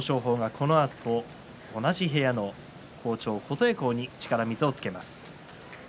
このあと同じ部屋の琴恵光に力水をつけます。